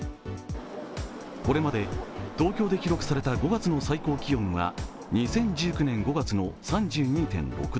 これまで東京で記録された５月の最高気温は２０１９年５月の３２．６度。